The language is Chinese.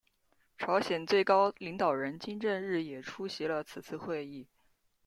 朝鲜最高领导人金正日也出席了此次会议。